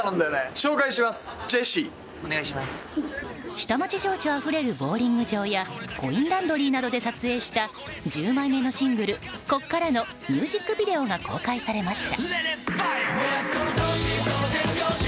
下町情緒あふれるボウリング場やコインランドリーなどで撮影した１０枚目のシングル「こっから」のミュージックビデオが公開されました。